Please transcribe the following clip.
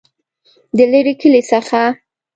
دلیري کلي څخه